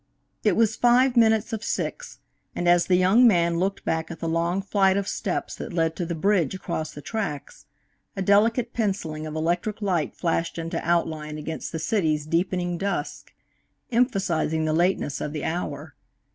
It was five minutes of six, and as the young man looked back at the long flight of steps that led to the bridge across the tracks, a delicate pencilling of electric light flashed into outline against the city's deepening dusk, emphasizing the lateness of the hour.